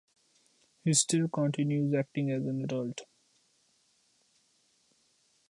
He still continues acting as an adult.